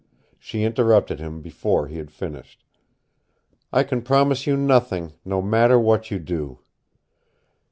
She interrupted him before he had finished. "I can promise you nothing, no matter what you do.